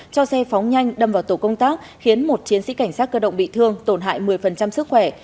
cho xe phóng nhanh đâm vào tổ công tác khiến một chiến sĩ cảnh sát cơ động bị thương tổn hại một mươi sức khỏe